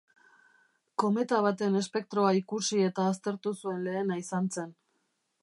Kometa baten espektroa ikusi eta aztertu zuen lehena izan zen.